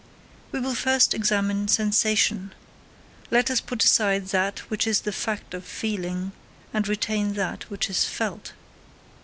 We will first examine sensation: let us put aside that which is the fact of feeling, and retain that which is felt.